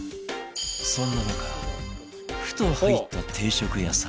そんな中ふと入った定食屋さん